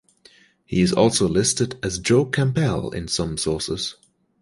He is also listed as Joe Campbell in some sources.